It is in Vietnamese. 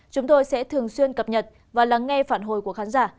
chúng tôi sẽ thường xuyên cập nhật và lắng nghe phản hồi của khán giả